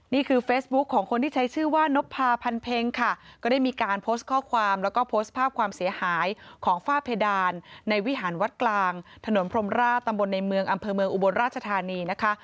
นี่คือเฟซบุ๊คของคนที่ใช้ชื่อว่านพพาพันเพ็งค่ะก็ได้มีการโพสต์ข้อความแล้วก็โพสต์ภาพความเสียหายของฝ้าเพดานในวิหารวัดกลางถนนพรมราชตำบลในเมืองอำเภอเมืองอุบลราชธานีนะคะ